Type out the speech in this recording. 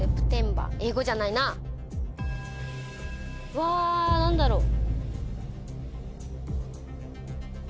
うわ何だろう。